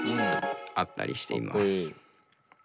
あったりしています。